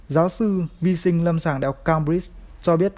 giáo sư vi sinh lâm sàng đại học cambridg cho biết